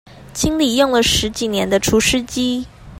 清理用了十幾年的除濕機